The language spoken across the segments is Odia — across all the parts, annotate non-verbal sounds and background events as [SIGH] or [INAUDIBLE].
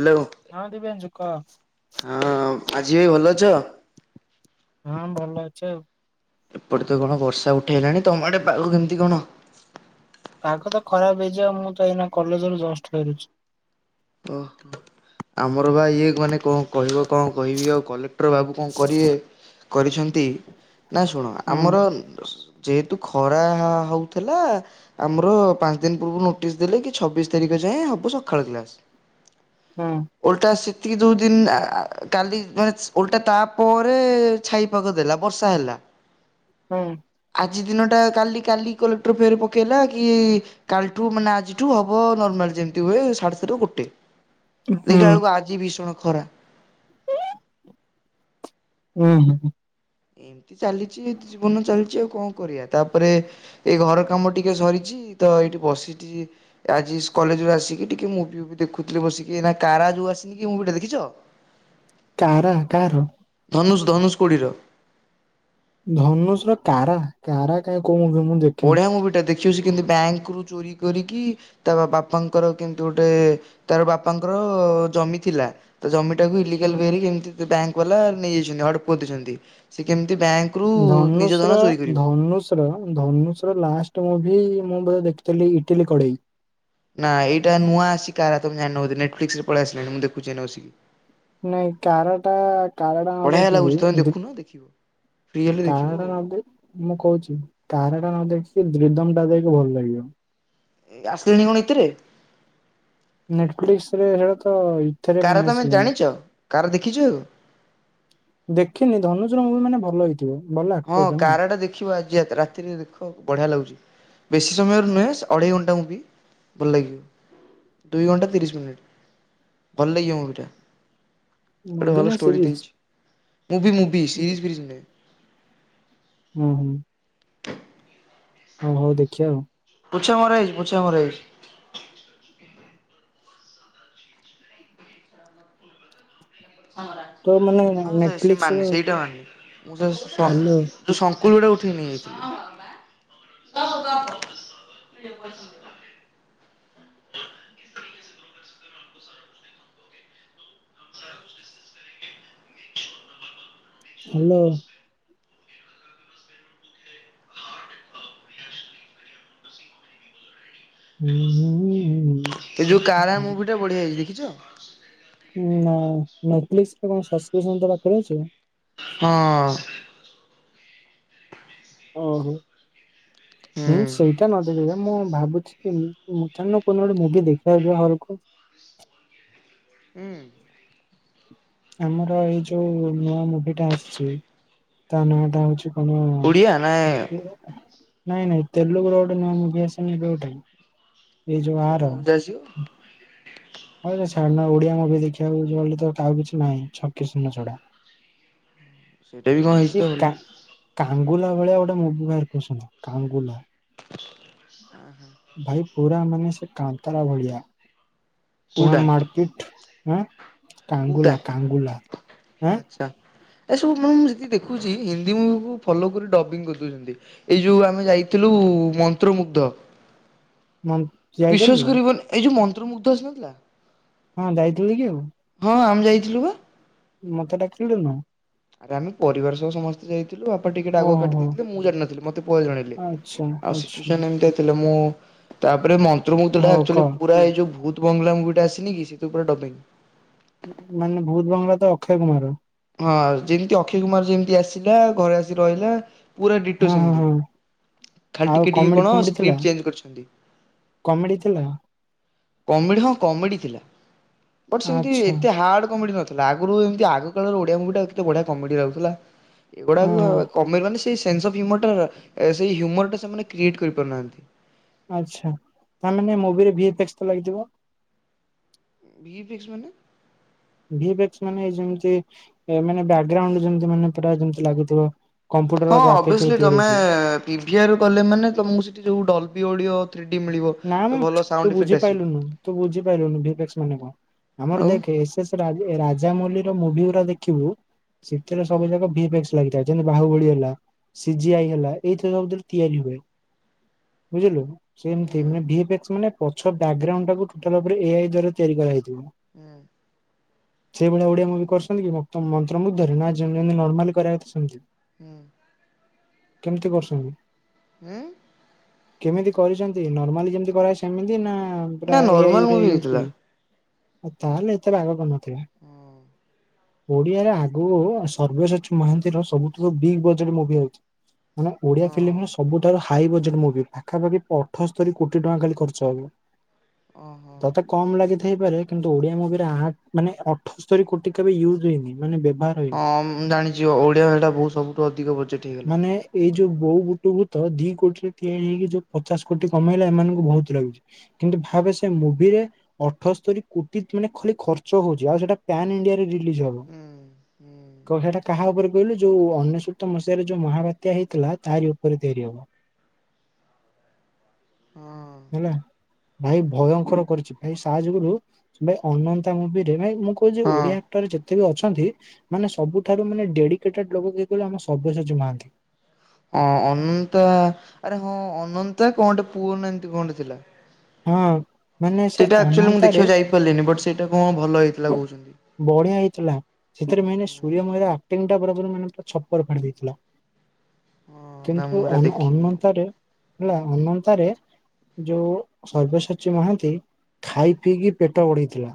ହ୍ୟାଲୋ ହଁ ଦିବ୍ୟାନ୍ସ କହ। ହଁ ଆଜି ବି ଭଲ ଅଛ? ହଁ ଭଲ ଅଛି ଆଉ। ଏପଟେ ତ କଣ ବର୍ଷା ଉଠେଇଲାଣି ତମ ଆଡେ ପାଗ କେମିତି କଣ? ପାଗ ତ ଖରାପ ହେଇଯିବ ମୁଁ ତ ଏଇନା କଲଜରୁ ଜଷ୍ଟ ଫେରୁଛି। ଓ ଆମର ବା ଇଏ ମାନେ କଣ? କହିବ କଣ କହିବି ଆଉ କଲେକ୍ଟର ବାବୁ କଣ କରିବେ କରିଛନ୍ତି ନା ଶୁଣ ହୁଁ ଆମର ଯେହେତୁ ଖରା ହଉ ଥିଲା ଆମର ପାଞ୍ଚ ଦିନ ପୂର୍ବ ନୋଟିସ ଦେଲେ କି ଛବିଶି ତାରିଖ ଯାଏ ହବ ସକାଳ କ୍ଲାସ। ହୁଁ ଓଲଟା ଆସି ସେତିକି ଯୋଉ ଦିନ ଆ କାଲି ମାନେ ଓଲଟା ତାପରେ ଛାଇ ପାଗ ଦେଲା ବର୍ଷା ହେଲା। [UNINTELLIGIBLE] ହୁଁ। ଆଜି ଦିନଟା କାଲି କାଲି କଲେକ୍ଟର ଫେର ପକେଇଲା କି କାଲିଠୁ ମାନେ ଆଜିଠୁ ହବ ନର୍ମାଲ ଯେମତି ହୁଏ ସାଢେ ସାତରୁ ଗୋଟେ ହୁଁ ଦେଖିଲା ବେଳକୁ ଆଜି ଭୀଷଣ ଖରା। ହୁଁ ହୁଁ। ଏମିତି ଚାଲିଛି ଜୀବନ ଚାଲିଛି ଆଉ କଣ କରିବା ତାପରେ ଏଇ ଘର କାମ ଟିକେ ସରିଛି। ତ ଏଇଠି ବସିଠି ଆଜି ସ କଲେଜ ରୁ ଆସିକି ଟିକେ ମୁଭି ମୁଁ ଦେଖୁଥିଲି ବସିକି ଏଇନା କାରା ଯୋଉ ଆସିନି ମୁଭି ଟା କି ଦେଖିଛ? କାରା କାହାର? ଧନୁଷ ଧନୁଷ କୋଡ଼ିର। ଧନୁଷ ର କାରା କାରା କାଇଁ କୋଉ ମୁଭି ମୁ ବଢିଆ ମୁଭି ଟା ଦେଖି ଦେଖିବ ସେ କେମିତି ବ୍ୟାଙ୍କ ରୁ ଚୋରି କରିକି ତା ବାପାଙ୍କର କେମିତି ଗୋଟେ ତାର ବାପାଙ୍କର ଅ ଜମି ଥିଲା ତ ଜମି ତାକୁ ହୁଁ ଇଲିଗାଲ ୱଏରେ କେମିତି ବ୍ୟାଙ୍କ ବାଲା ନେଇଯାଇଛନ୍ତି ହଡ଼ପ କରିଦଉଛନ୍ତି ସେ କେମତି ଧନୁଷର ଧନୁଷର ଧନୁଷ ଲାଷ୍ଟ ମୁଭି ମୁଁ ବ ଦେଖିଥିଲି ଇଟିଲି କଡେଇ। ନା ଏଇଟା ନୂଆ ଆସିଛି କାରା ତମେ ଜାନିଣ ବୋଧେ ନେଟ ଫ୍ଲିକ୍ସ ରେ ପଳେଇ ଆସିଲାଣି ମୁଁ ଦେଖୁଛିି ଏଇନେ ବସିକି। ନାଇଁ କାରାଟା କାରାଟା ହଁ ବଢିଆ ଦେଖିବି ଲାଗୁଛି ତମେ ଦିପ ଦେଖୁନ ଦେଖିବ ଫ୍ରି ହେଲେ ଦେଖିବ କାରା ଆଉ। ନ ଦେଇ ମୁଁ କହୁଛି କାରା ଟା ନଦେଖି ରିଦମ୍ ଟା ଦେଖେ ଭଲ ଲାଗିବ। ଆସିଲାଣି କଣ ଏଥିରେ। ନେଟଫ୍ଲିକ୍ସ ରେ ସେଇଟା ତ ଏଥିରେ ପୁଣି କାରା ତମେ ଆସିଲାଣି ଜାଣିଛ କାରା ଦେଖିଛ ତାକୁ। ଦେଖିନି ଧନୁଜର ମୁଭି ମାନେ ଭଲ ହେଇ ହଁ କାରା ଟା ଦେଖିବ ଆଜି ରାତି ରାତିରେ ଦେଖିବ ବଢିଆ ଲାଗୁଛି। ବେଶି ସମୟର ନୁହେଁ ଅଢ଼େଇ ଘଣ୍ଟାର ମୁଭି ବି ଭଲ ଲାଗିବ। ଦୁଇ ଘଣ୍ଟା ତିରିଶ ମିନିଟ୍ ଭଲ ଲାଗିବ ମୁଭିଟା। ଗୋଟେ ମୁଭି ଭଲ ନା ଷ୍ଟୋରି ଟେ ସିରିଜ ହେଇଛି ମୁଭି ମୁଭି ସିରିଜ୍ ଫିରିଜ୍ ନାଇ। ହୁଁ ହୁଁ। ହ ହଉ ଦେଖିବା ଆଉ। ପୁଛା ମରା ହେଇଛି ପୁଛା ମରା ହେଇଛି। ତ ମାନେ ହଁ ସାର୍ ସେ ନେଟଫ୍ଲିକ୍ସ ର ମାନେ ସେଇଟା ମାରେ ହ୍ୟାଲୋ [UNINTELLIGIBLE] ଫୁଲ ଗୁଡା ଉଠେଇ କି ନେଇଯାଇଥିଲି। କଶ କଖ ହ୍ୟାଲୋ। ହୁଁ ହୁଁଁ ହୁଁ। ଏ ଯୋଉ କାରା ମୁଭିଟା ବଢ଼ିଆ ହେଇଛି ଦେଖିଛ? ନା ନେଟଫ୍ଲିକ୍ସ ରେ କଣ ସବକ୍ରିପସନ ତ ପାଖରେ ଅଛି। ହଁ। ଓହୋ ହୁଁ ସେଇଟା ନ ଦେଖିଟ ମୁଁ ଭାବୁଛି ମୁଥାନ କନ ଗୋଟେ ମୁଭି ଦେଖିବାକୁ ଯିବା ହଲକୁ ହୁଁ। ଆମର ଏଇ ଯୋଉ ନୂଆ ମୁଭି ଟା ଆସିଚି ତା ନାଁ ଟା ହଉଚି ହଁ। ଓଡ଼ିଆ ନା ନାଇଁ ନାଇଁ ତେଲୁଗର ଗୋଟ ନଆ ମୁ ଆସନ ଏବେ ଗୋଟେ। ଏ ଯୋ ସେଟା କଣ ଆର ବୁଝା ଆସିବ ହ ଛାଡୁନ ଓଡିଆ ମୁଭି ଦେଖିବାକୁ ଯିବ ବୋଲି ତ ଆଉ କିଛି ନାହିଁ ଛକି ସୁନ ଛଡା। ସେଇଟା ବି କଣ ହେଇଚି ଏ ତ କା ଭଲ। କାଙ୍ଗୁଲା ଭଳିଆ ଗୋଟେ ମୁଭି ବାହାରକରୁଚନ୍ତି କାଙ୍ଗୁଲା। ଭାଇ ପୁରା ମନେ ସେ କାଂନ୍ତରା ଭଳିଆ। ପୁରା କୋଉଟା ମାର୍କେଟ ଆ କୋଉଟା? କାଙ୍ଗୁଲା କାଙ୍ଗୁଲା। ଆ ଆଚ୍ଛା ଏସବୁ ମାନ ମୁଁ ସେଦି ଦେଖୁଛି ହିନ୍ଦୀ ମୁଭିକୁ ଫଲୋ କରି ଡବିଙ୍ଗ କରିଦଉଛନ୍ତି ଏଇ ଯେଉଁ ଆମେ ଯାଇଥିଲୁ ମନ୍ତ୍ରମୁଦ୍ଧ, ମ ଯାଇଥିଲୁ ବିଶ୍ୱାସ କରିବନି ଏଇ ଯଉ ମନ୍ ମୁଗଧ ଆସିନଥିଲା? ହଁ ଯାୟିଥିଲେ ଯଉ? ହଁ ଆମେ ଯାଇଥିଲୁ ବା। ମତେ ଡ଼ାକିଳୁନୁ। ଆରେ ଆମେ ପରିବାର ସହ ସମସ୍ତେ ଯାଇଥା ବାପା ଟିକେଟ ଆଗୁଆ କାଟି ଓହୋ ଦେଇଥିଲେ ମୁଁ ଜାିନଥିଲି ମତେ ପରେ ଜଣେଇଲେ। ଆଚ୍ଛା ଆଉ ଆଚ୍ଛା ସିଚୱେସନ୍ ଏମିତିଆ ଥିଲା। ମୁଁ ତାପରେ ମନ୍ତ୍ର ମୁଟାଚ ହଉ ଏକ୍ଚାଆଲି କହ ପୁରା ଏଇ ଯୋଉ ତ ବଙ୍ଗଲା ମୁଁ ଗଟେ ଆସିନି କି ସେଥିର ପୁରା ଡବିଂ। ମାନେ ଭୂତ ବଙ୍ଗଳା ତ ଅକ୍ଷୟ କୁମାରର। ହଁ ଯେମିତି ଅକ୍ଷୟ କୁମାର ଯେମିତି ଆସିଲା ଘରେ ଆସିିକି ରହିଲା ପୁରା ଡିଟୋ ହଁ ହଁ ସେମିତି। ହଁ ଖାଲି ଆଉ ଟିକେ ଟିକେ କମେଡି କଣ ଫମେଡି ଥିଲା ସ୍କ୍ରିପ୍ଟ ଚେଞ୍ଜ କରିଚନ୍ତି। କମେଡି ଥିଲା କମେଡି ହଁ କମେଡି ଥିଲା ବଟ୍ ସେମତି ଆଚ୍ଛା ଏତେ ହାର୍ଡ କମେଡି ନଥିଲା ଆଗରୁ ଆଗ କାଳର ଓଡିଆ ମୁଭି ଟା କେତେ ବଢିଆ କମେଡି ରହୁଥିଲା ଏଗୁଡା ହଁ କମେଡି ମାନେ ସେ ସେନ୍ ଅଫ ହ୍ୟୁମର ଟା ସେ ହୁମର ଟା ସେମାନେ କ୍ରିଏଟ କରିପାରୁନାହାନ୍ତି। ଆଛା ତାମାନେ ମୁବିରେ ଭି ଏ ପେଚ ତ ଲାଗିଥିବ? ଭି ଫିକ୍ସ ମାନେ? ମାନେ ଯେମତି ମାନେ ବାକଗ୍ରାଉଣ୍ଡ ମାନେ ପ ଯେମତି ଲାଗିଥିବ। ହଁ ଅଭିସଲି ତମେ ପିଭି ଆର କୁ ଗଲେ ମାନେ ତମକୁ ସେଠି ଯୋଉ ଡଲ ବି ଅଡି ନା ମ ତୁ ବୁଝିପାରିଲୁନୁ ତୁ ବୁଝିପାଲୁନୁ ଭି ଫେକ୍ସ ମାନେ କଣ? ଆମର ଆଉ ଦେଖେ S S Raj Rajamouli ର ମୁଭି ଗୁଡା ଦେଖିବୁ ସେଥିରେ ହୁଁ ସବୁ ଯା ଭି ଫେକ୍ସ ଲାଗିଥାଏ, ଯେମିତି ବାହୁବଳି ହେଲା ସି ଜି ଆଇ ହେଲା ଏଇଥିରେ ସବୁଥିରେ ତିଆରି ହୁଏ। ବୁଝିଲୁ ସେ ହୁଁ ଭଳିଆ ଭି ଫେକ୍ସ ମାନ ପଛ ବଗ୍ରାଉଣ୍ଡ ଟୋଟାଲି ଉପରେ ଏଆଇ ଦ୍ଵାରା ତିଆରି କରାଯଇଥିବ। ହୁଁ। ସେଇଭଳିଆ ଓଡିଆ ମୁଭି କରୁଛନ୍ତି କି ମନ୍ତ୍ର ମୁୁଗ୍ଧରେ ନା ଯେତି ନର୍ମାଲି କରିବାଥା ସେମତି। ହୁଁ। କେମିତି କରୁଚନ୍ତି? ହୁଁ? କେମିତି କରିଚନ୍ତି ନର୍ମାଲି ଯେମିତି କରାଏ ସେମିତି ନା ପୁରା ନା ଏ ନର୍ମାଲ ଆଇରେ ମୁଭି ୟୁଜ ହେଇଥିଲା। କରିକି ତାହେଲେ ଏତେ ରାଗ କରୁନଥିଲା। ହଁ ଓଡିଆରେ ଆଗକୁ ସର୍ବଶଚି ମହାନ୍ତିର ସବୁଠୁ ବିଗ୍ ବଜେଟ ମୁଭି ହଉଚି। ମାନେ ଓଡିଆ ହଁ ଫିଲ୍ମର ସବୁଠାରୁ ହାଇ ବଜେଟ୍ ମୁଭି ପାଖାପାଖି ପ ଅଠସ୍ତରୀ କୋଟି ଟଙ୍କା ଖାଲି ଖର୍ଚ୍ଚ ହବ। ଓହୋ। ତତେ କମ ଲାଗି ଥାଇ ହେଇପାରେ କିନ୍ତୁ ଓଡିଆ ମୁଭିରେ ଆ ମାନେ ଅଠସ୍ତରୀ କୋଟି କେବେ ବି ୟୁଜ୍ ହେଇନି। ମାନେ ବ୍ୟବହାର ହେଇନି। ହଁ ଜାଣିଛିିବ ଓଡିଆ ଭଟା ବହୁତ ସବୁଠୁ ଅଧିକ ବଜେଟ ହେଇଗଲା। ମାନେ ଏଇ ଯୋଉ ବୋଉ ବୁଟ ଭୂତ ଯଉ ଦି କୋଟିରେ ତିଆରି ହେଇକି ଯୋଉ ପଚାଶ କୋଟି କମେଇଲା ଏମାନଙ୍କୁ ବହୁତ ଲାଗୁଛି କିନ୍ତୁ ଭାବେ ସେ ମୁଭିରେ ଅଠସ୍ତୀ କୋଟି ମାନେ ଖଚ ହଇିଲ ହୁଁ ହୁଁ ହବ କାହା ଉପରେ କହିଲୁ ଯୋଉ ଅନସୂକ୍ତ ମସିହାରେ ଯୋଉ ମହାବାତ୍ୟା ହେଇଥିଲା ତାରି ଉପରେ ତିଆରି ହବ ହ। ହେଲା। ଭାଇ ଭୟଙ୍କର କରିଛି ଭାଇ ସାହାଯ୍ୟୋଗରୁ ଭ ଅନନ୍ତା ମୁଭିରେ ମୁଁ ୁ ଯେ ହଁ ଓଡିଆ ଆକ୍ଟର ଯେ କେତେ ବି ଅଛନ୍ତି ମାନେ ସବୁଠାରୁ ମାନେ ଡେଡିକେଟେଡ ଲୋକ କି ଆମ ସବ୍ୟସାଜୀ ମହାନ୍ତି। ହଁ ଅନନ୍ତା ଆରେ ହଁ ଅନନ୍ତା କହଟେ ପୁଅ ନା ଏମତି କୁହଟେ ଥିଲା। ହଁ। ମାନେ ସେ ସେଇଟା ଆକ୍ଚୁଆଲି ମୁଁ ଅନନ୍ତାରେ ଦେଖିବାକୁ ଯାଇପାରିଲିନି ବଟ୍ ସେଇଟା କଣ ଭଲ ହେଇଥିଲା କହୁଛନ୍ତି। ବଢିଆ ହେଇଥିଲା। ସେଥିରେ ମେ ସୂର୍ଯ୍ୟମୟା ମାନେୁର ଛପର ଫା ଦେଇଥିଲା। ହଁ ନା କିନ୍ତୁ ମୁଁ ଏରା ଦେଖିନି ଆଉ ଅନ୍ୟତାରେ। ହେଲା ଅନନ୍ତରେ ଯୋଉ। ସୈବସାଚୀ ମହାନ୍ତି ଖାଇ ପିଇକି ପେଟ ବଢିଥିଲା।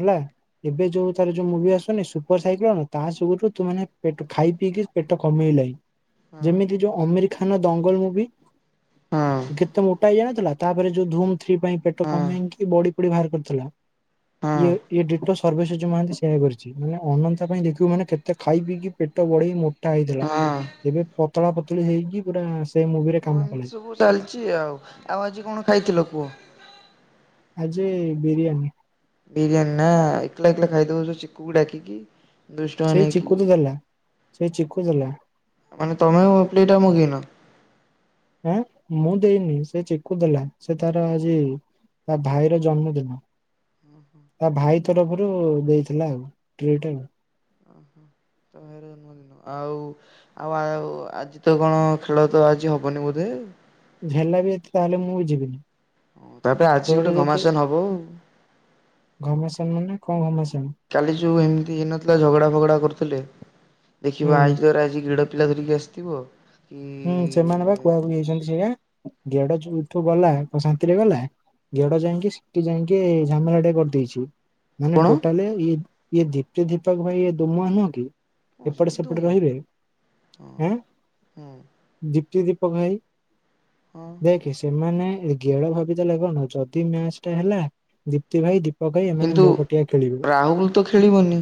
ହେଲା ଏବେ ଯୋଉ ତାର ଯୋଉ ମୁଭି ଆସୁନି ସୁପର ସାଇକେ ତା ସୁୁ ତୁ ମାନେ ପେଟ ଖାଇ। ପିଇକି ପେଟ କମେଇଲାଣି। ହଁ ଯେମିତି ଯୋଉ ଅମିର ଖାନ ଦଙ୍ଗଲ ମୁଭି ହଁ କେତେ ମୋଟା ହେଇ ଜାଣିଥିଲା। ତାପରେ ଯୋଉ ଧୁମ ଥ୍ରୀ ପାଇଁ ପେଟ ହଁ କମେଇକି ବଡି ପଡି ବାହାର କରିଥିଲା। ହଁ। ଇଏଡ ସର୍ ଯୋଉ ମହାନ୍ତି ସେଆ କରିଛି ମାନ ଅନନ୍ତା ପାଇଁ ଦେଖିବୁ ମାନେ କେତେ ଖାଇ ପିକି ପେଟ ବଢେଇ ମୋଟା ହେଇଥିଲା ହଁ ହଁ ଏବେ ପତଳା ପତଳି ହେଇକି ପୁରା ସେ ମୁଭିରେ ହଁ କାମ କଲା। ଏମିତି ସବୁ ଚାଲିଛି ଆଉ ଆଉ ଆଜି କଣ ଖାଇଥିଲ କୁହ ଆଜି ବିରିୟାନୀ ବିରିୟାନୀ ନା ଏକଲା ଏକଲା ଖାଇଦଉଛୁ ଚିକକୁ ଡାକିିକି ଦୁଷ୍ଟ ସେଇ ନେଇକ ଚିକୁ ତ ଦେଲା ସେଇ ଚିକୁ ଦେଲା ମାନେ ତମେ ପଟା ମୁଗିନ ହଁ ମୁଁ ଦେଇନି ସେ ଚିକୁ ଦେଲା ସେ ତାର ଆଜି ତା ଭାଇର ଜନ୍ମଦିନ ତା ଭାଇ ତରଫରୁ ଦେଇଥିଲା ଆଉ ଟିଟ ଆ ଓହୋ ତ ଏର ଜନ୍ମଦିନ ଆଉ ଆଉ ଆଉ ଆଜି ତ କଣ ଖେଳ ତ ଆ ହବନି ବୋଧେ ହେଲା ବି ଏତେ ତାହେଲେ ମୁଁ ବି ଯିବିନି ହ ତାପରେ ଆଜି ତୋର ଗୋଟେ ଯଦି ଘମାସନ ହବ ଆଉ ଘମାସାନ ମାନେ କଣ ଘମାସାନ କାଲି ଯଉ ଏମିତି ହେଇନଥିଲା ଝଗଡା ଫଗଡା କରୁଥିଲେ ଦେଖିବ ହୁଁ ଆଇ ତର ଆଜି ଗିଡ ପିଲା ଧରିକି ଆସିଥିବ କି ହୁଁ ସେମାନେ ବା କୁହାକୁ ଯାଇଛନ୍ତି ସେଇଟାଟ ଏଠୁ ଗଲା ଶାନ୍ତିରେ ଗଲା ଝେଡ ଯାଇକି ସେଠି ଯାଇକି ଝାମେଲା ଟେ କରିଦେଇଛି ମାନେ କଣ? ଟୋଟାଲି ଇ ଦୀପୀପା ଭାଇ ଦୁମ ନୁହଁ କି ହଁ ସେ ତ ଏପଟେ ତୁ ସେପଟେ ମୁହଁ ରହିବେ ହଁ ଆଁ ହଁ ଦୀପ ଭାଇ ହଁ ଦେଖି ସେମାନେ ଗେଡ ଭାବି ତ ଲାଗନ ଯଦି ମ୍ୟାଚ ଟା ହେଲା ଦୀପ୍ତି ଭାଇ ଦ ପକେଇ ଏମାନେ କିନ୍ତୁ ମୋ ପଟିଆ ଖେଳିବୁ। ରାହୁଲ ତ ଖେଳିବନି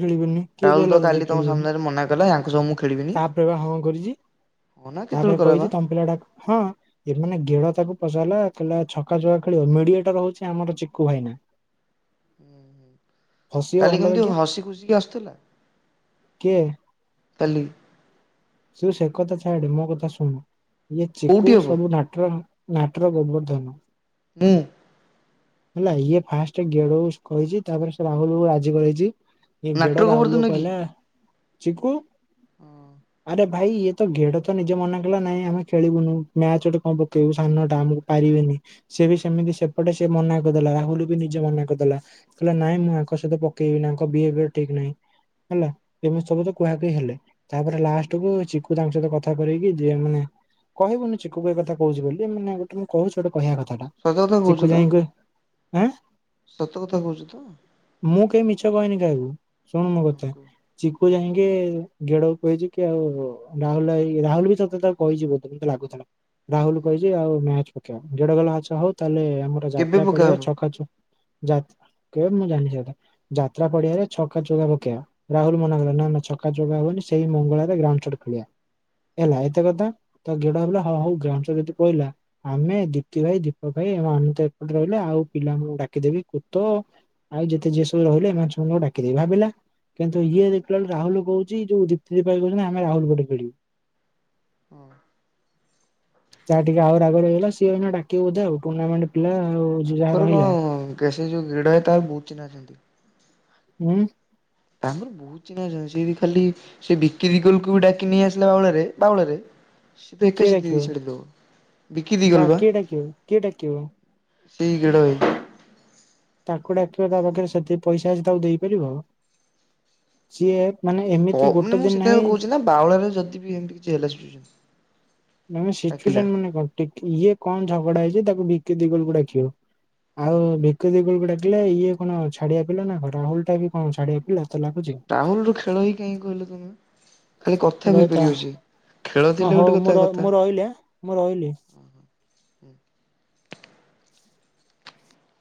ଖେଳିବନି କିଏ ରାହୁଲ ତ ଦେଲା କାଲି ତମ ଖେଳିବନି ସାମ୍ନାରେ ମନା କଲା ୟାଙ୍କୁ ସବୁ ମୁଁ ଖେଳିବିନି। ତାପରେ ବା ହଁ। ହଁ ନା କେତେବେଳେ ତାପରେ କଲା ବା କହିଛି ତପିଲା ହଁ ଗ ତାକୁ ପଚାରିଲା କ ଛକା ଖେଳିବ ମିଡିଆ ଟ ର ହଉଛି ଆମର ଚିକୁ ଭାଇନା ହୁଁ ହୁଁ। ଫସିବ କାଲି ଭଲ କେମିତି ବାଗିଆ ହସି ଖୁସିିକି ଆସୁଥିଲା କିଏ କାଲି। ତୁ ସେ କଥା ଛାଆଡେ ମୋ କଥା ଶୁଣୁ ଇଏ କୋଉଠି ଚକୁ ହବ ସବୁ ଧାଟର। ନାଟର ଗୋବବର୍ଦ୍ଧନ ହଁ। ହେଲା ଇଏ ଫାଷ୍ଟ ଗେଡ କହିଛି ତାପରେ ସେ ରାହୁଲକୁ ରାଜି କରିଛି। ଏ ନାଟର ଘେଡ ରାହୁଲ ଗୋବର୍ଦ୍ଧନ କି? କହିଲେ ଚିକୁୁ [UNINTELLIGIBLE] ହଁ ଆରେ ଭାଇ ଇଏ ତ ଘେଡ ତ ନିଜ ମନା କଲା ନାଇଁ ଆମେ ଖେଳିବୁନୁ, ମ୍ୟାଚ ଗୋଟେ କଣ ପକେଇବୁ ସାନଟା ଆମକୁ ପାଇ ସେ ବି ସେମିତି ସେପଟେ ସେ ମନା କରିଦେଲା ରାହୁଲ ବି ନିଜେ ମନା କରିଦେଲା କହିଲ ନାଇଁ ମୁଁ ଆ ପକେଇବ ଠିକହିଁ ହେଲା ଏମିତି ସବୁ କୁହା ହେଲେ ତାପ [UNINTELLIGIBLE] ଚିକୁ ତାଙ୍କ ସହିତ କଥା କରକି ଯିଏ ମାନେ କହିବୁନି ଚିକୁ ଏଇ କଥା କହୁଛି ବୋଲି ମାନ ଗୋଟେ ମୁଁ କହୁଛି କହିବା କଥାଟା, ସତ କଥା ଚିକୁ କହୁଛୁ ତ ଯାଇ କି ହଁ ସତ କଥା କହୁଛୁ ତ ହଁ ମୁଁ କେହି ମିଛ କହିନି କାହାକୁ ଶୁଣୁ ମୋ ହଁ କଥା କୁହ। ଚିକୁ ହୁଁ ଯାଇକି ଗେଡ କହିଛି କି ଆଉ ରାହୁଲଭାଇ ରାହୁଲ ବି ସତେ ତା କହିଛି ବୋତେ ମତେ ଲାଗୁଥିଲା [UNINTELLIGIBLE] ରାହୁଲ ହୁଁ କହିଛି ଆଉ ମ୍ୟାଚ ପକେଇବା, ଗେଡ କହିଲା- ଆଛା ହଉ, ତାହେଲେ ମର କେବେ ଯାତ୍ରା ପଡିଆ ପକାହବ? ଚଛକାଛ ମୁଁ ଜାଣିଛି ଯାତ୍ରା ପଡିଆରେ ଛକା ଚଉକା ପକେଇବା, ରାହୁଲ ମନା କହିଲା ନା ଚକା ଚଉକା ହବନି ସେଇ ମଙ୍ଗଳ ଗ୍ରାଉଣ୍ଡ ଖେଳିବା ହେଲା ଏତେ କଥା ତ ଗେଡ ଭିଲ ହଁ ହଉ ଗ୍ରାମ ଯଦି କହିଲା ଆମେ ଦୀପ୍ତି ଭାଇ ଦୀପକ ଭାଇ [UNINTELLIGIBLE] େ ତ ଏପଟ ରହିଲେ ଆଉିଲମାନଙ୍କୁ ଡକିଦେବିୁତ ଆଉ ଯେତେ ଯିଏ ସବୁ ରହିଲେ ଏମାନେଙ୍କୁ [UNINTELLIGIBLE] ଭାବିଲା କିନ୍ତୁ ଇଏ ଦେଖିଲ ବେଳେ ରାହୁଲ କହୁଛି ଯୋଉ ଆମେ ରାହୁଲ ପଟେ ଖେଳିବୁ। ହଁ ଯାହା ଟିକେ ଆହୁର ରାଗରେ ହେଇଗଲା, ସିଏ ଡାକିବ ବୋଧେ ଆଉ ଟୁର୍ଣ୍ଣାମେଣ୍ଟ ପିଲା ଆଉ ଯାହା ତାଙ୍କର ରହିଲା କଣ ଯୋଉ ଗେଡ, ତାର ବହୁତ ଚିହ୍ନା ଅଛନ୍ତି ହୁଁ ତାଙ୍କର ବହୁତ ଚିନହଆ ଆ ସେଇଠି ଖାଲି ସେ ବିକିରିିକଲକୁ ବି ଡାକି ନେଇ ଆସିଲା ବାଉଳାରେ ବାଉଳାରେ [UNINTELLIGIBLE] ସେ ତ କିଏ ଏକଛି ଡାକିବ ଦିଦି ଛଡେ ଦୋ ବିିକି ଦ କା ଗଲ ବା କିଏ ଡାକିବ କିଏ ଡାକିବ ଶଇ କିଡ ଭାଇ [UNINTELLIGIBLE] କୁା ତା ପାଖରେ ସେତିକି ପଇସା ଅଛି ତାକୁ ଦେଇପାରିବ ଆଉ ମାନେ କ ମାନେ ମୁଁ ସେଥିପାଇଁ କହୁଛି ନା, ବାଉଳରେ ଯଦି ବି ଏମତି କିଛି ହେ ନେ ସିଚୁଏସନ ମାନେ କଣ -ଇଏ କଣ ଝଗଡା ହେଇଛି ତାକୁ ଭିକି ଦେଇ ଗଲ କୁ ଡାକିଅ ଆଉ ଭିକ ଦ ଗୁଳକୁ ଡାକିଲେ ଇଏ କଣ ଛାଡିଆ ପିଲା ନା ରାହୁଲଟା ବି କଣ ଛାଡିଆ ପିଲା ତତେ ଲାଗୁଛି? ରାହୁଲ ର ଖେଳ ହଇ କାହିଁକି କହିଲ ତମେ, ଖାଲି କଥା କହିପାରିବ ସେ ହ ହଉ ମୁଁ ର ମୁଁ ରହିଲି, ମୁଁ ରହିଲି ହୁଁ